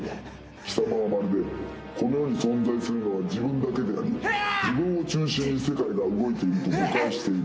貴様はまるでこの世に存在するのは自分だけであり自分を中心に世界が動いていると誤解している。